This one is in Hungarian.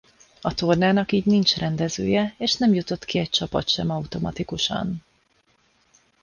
A tornának így nincs rendezője és nem jutott ki egy csapat sem automatikusan.